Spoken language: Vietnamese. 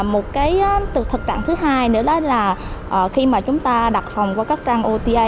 một cái thực trạng thứ hai nữa là khi mà chúng ta đặt phòng qua các trang ota